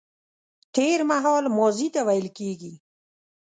تېرمهال ماضي ته ويل کيږي